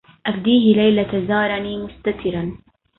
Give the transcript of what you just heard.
أفديه ليلة زارني متسترا